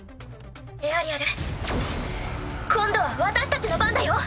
エアリアル今度は私たちの番だよ。